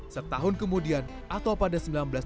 setahun kemudian atau pada seribu sembilan ratus sembilan puluh